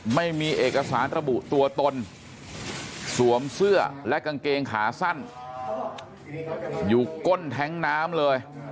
ไม่มีเอกสารระบุตัวตนสวมเสื้อและกางเกงขาสั้นอยู่ก้นแท้งน้ำเลย